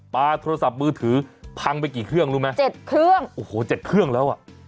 ปลาโทรศัพท์มือถือพังไปกี่เครื่องรู้ไหมเจ็ดเครื่องโอ้โห๗เครื่องแล้วอ่ะ